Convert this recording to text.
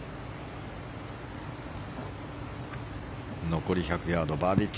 残り１００ヤードバーディー